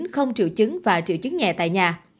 không triệu chứng và triệu chứng nhẹ tại nhà